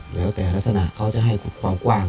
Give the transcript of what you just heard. แล้วแต่ลักษณะเขาจะให้ความกว้าง